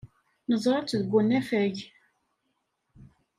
Neẓra-tt deg unafag.